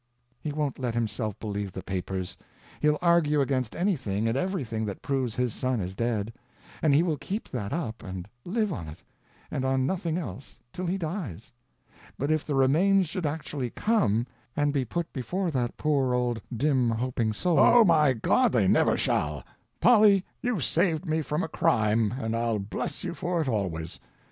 "He won't let himself believe the papers; he'll argue against anything and everything that proves his son is dead; and he will keep that up and live on it, and on nothing else till he dies. But if the remains should actually come, and be put before that poor old dim hoping soul—" "Oh, my God, they never shall! Polly, you've saved me from a crime, and I'll bless you for it always.